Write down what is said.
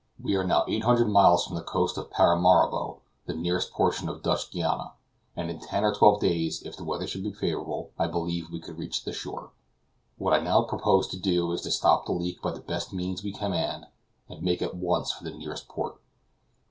We are now 800 miles from the coast of Paramaribo, the nearest portion of Dutch Guiana, and in ten or twelve days, if the weather should be favorable, I believe we could reach the shore. What I now propose to do is to stop the leak by the best means we can command, and make at once for the nearest port."